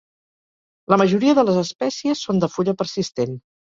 La majoria de les espècies són de fulla persistent.